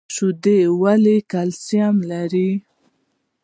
شیدې ولې کلسیم لري؟